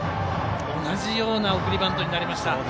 同じような送りバントになりました。